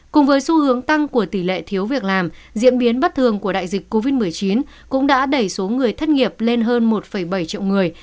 cùng với xu hướng tăng của tỷ lệ thiếu việc làm diễn biến bất thường của đại dịch covid một mươi chín cũng đã đẩy số người thất nghiệp lên hơn một bảy triệu người